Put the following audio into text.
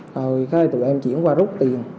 rồi cái này tụi em chuyển qua rút tiền